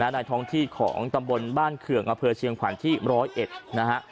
ในท้องที่ของตำบลบ้านเขื่องอำเภอเชียงขวัญที่๑๐๑นะฮะ